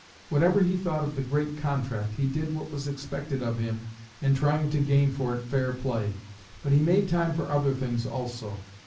Whatever he thought of the "Great Contract," he did what was expected of him in trying to gain for it fair play. But he made time for other things also.